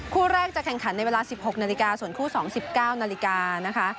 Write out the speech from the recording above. คู่แรกจะแข่งขันในเวลา๑๖นาฬิกาส่วนคู่๒๙นาฬิกานะคะ